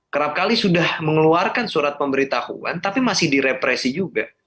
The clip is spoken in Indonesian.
kerap kali sudah mengeluarkan surat pemberitahuan tapi masih direpresi juga